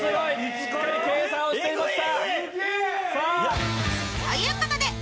しっかり計算をしていました。